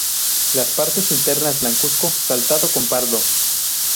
Las partes internas blancuzco, saltado con pardo.